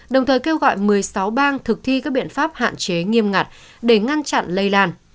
đồng thời kêu gọi một mươi sáu bang thực thi các biện pháp hạn chế nghiêm ngặt để ngăn chặn lây lan